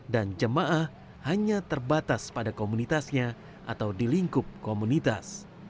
dan jemaah hanya terbatas pada komunitasnya atau dilingkup komunitas